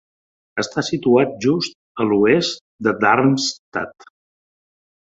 Està situat just a l'oest de Darmstadt.